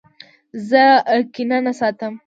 زه کینه نه ساتم.